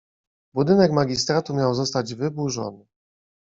Budynek magistratu miał zostać wyburzony.